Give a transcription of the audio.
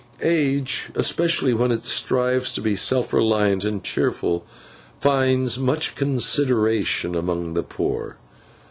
Age, especially when it strives to be self reliant and cheerful, finds much consideration among the poor.